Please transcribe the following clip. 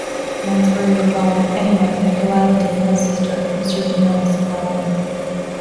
Lansbury replied, Anyway, if Delilah didn't have a sister, Mr. DeMille has supplied one.